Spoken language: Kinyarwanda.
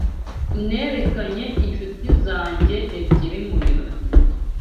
Nerekanye inshuti zanjye ebyiri mubirori.